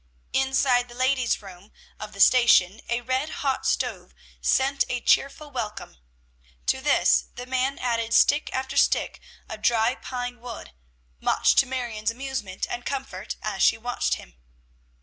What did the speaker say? Inside the ladies' room of the station a red hot stove sent out a cheerful welcome. To this the man added stick after stick of dry pine wood, much to Marion's amusement and comfort, as she watched him.